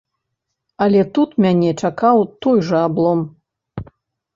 Але тут мяне чакаў той жа аблом.